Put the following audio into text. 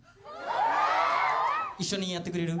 一緒にやってくれる？